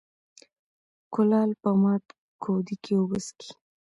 ـ کولال په مات کودي کې اوبه څکي.